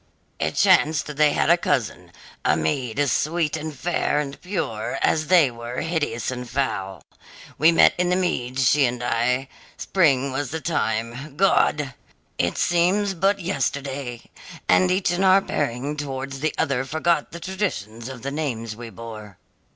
"It chanced they had a cousin a maid as sweet and fair and pure as they were hideous and foul. We met in the meads she and I. Spring was the time God! It seems but yesterday! and each in our bearing towards the other forgot the traditions of the names we bore.